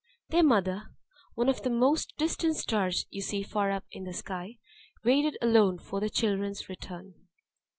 Their mother (one of the most distant Stars you see far up in the sky) waited alone for her children's return.